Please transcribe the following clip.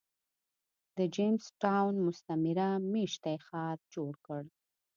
د جېمز ټاون مستعمره مېشتی ښار جوړ کړ.